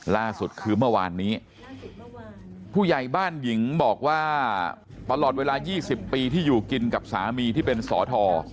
ล่าสุดคือเมื่อวานนี้ผู้ใหญ่บ้านหญิงบอกว่าตลอดเวลา๒๐ปีที่อยู่กินกับสามีที่เป็นสอทอ